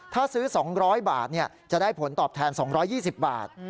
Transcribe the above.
ถ้าซื้อ๒๐๐บาทจะได้ผลตอบแทน๒๒๐บาท